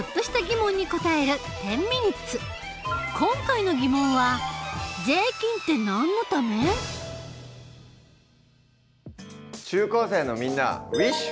今回の疑問は中高生のみんなウィッシュ！